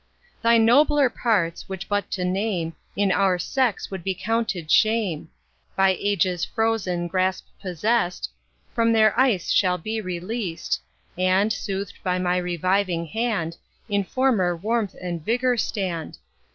Thy nobler parts, which but to name In our sex would be counted shame, By ages frozen grasp possest, From their ice shall be released, And, soothed by my reviving hand, In former warmth and vigour stand.